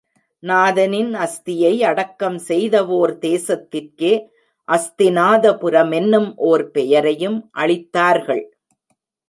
நாதனின் அஸ்தியை அடக்கம் செய்தவோர் தேசத்திற்கே அஸ்திநாதபுரமென்னும் ஓர் பெயரையும் அளித்தார்கள்.